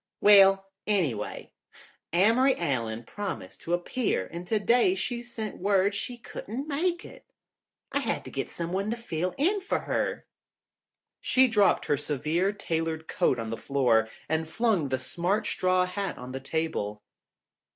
Well, anyway, Amory Allen promised to appear and today she sent word she couldn't make it. I had to get someone to fill in for her." She dropped her severe, tailored coat on the floor and flung the smart, straw hat on the table.